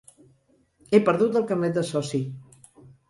He perdut el carnet de soci.